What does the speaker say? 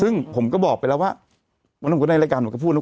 ซึ่งผมก็บอกไปแล้วว่าวันนั้นผมก็ในรายการผมก็พูดนะ